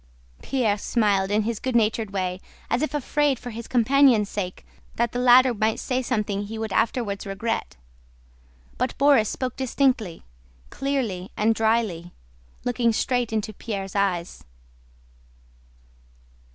Pierre smiled in his good natured way as if afraid for his companion's sake that the latter might say something he would afterwards regret. But Borís spoke distinctly, clearly, and dryly, looking straight into Pierre's eyes.